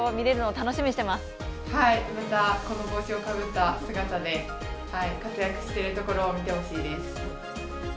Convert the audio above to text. はい、またこの帽子をかぶった姿で活躍しているところを見てほしいです。